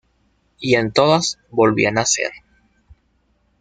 Y en todas volví a nacer.